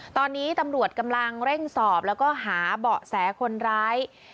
ตอนนี้ตำรวจกำลังเร่งสอบแล้วก็หาเบาะแสคนร้าย